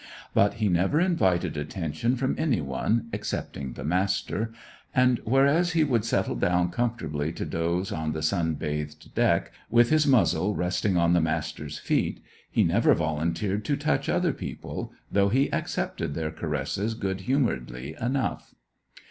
But he never invited attention from any one, excepting the Master; and, whereas he would settle down comfortably to doze on the sun bathed deck, with his muzzle resting on the Master's feet, he never volunteered to touch other people, though he accepted their caresses good humouredly enough.